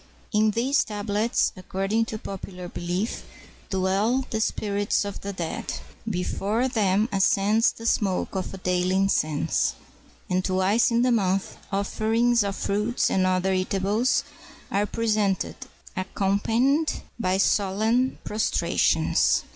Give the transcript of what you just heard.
In these tablets, according to popular belief, dwell the spirits of the dead. Before them ascends the smoke of daily incense; and, twice in the month, offerings of fruits and other eatables are presented, accompanied by solemn prostrations.